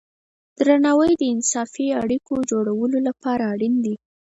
درناوی د انصافی اړیکو جوړولو لپاره اړین دی.